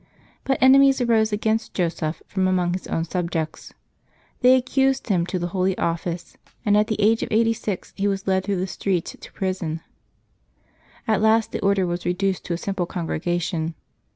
But enemies arose against Joseph from among his own subjects. They accused him to the Holy Office, and at the age of eighty six he was led through the streets to prison. At last the Order was re duced to a simple congregation.